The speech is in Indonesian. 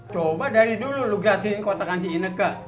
coba dari dulu lu gratisin kotakan si ineke